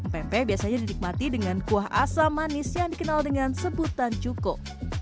pempek biasanya didikmati dengan kuah asam manis yang dikenal dengan sebutan cukup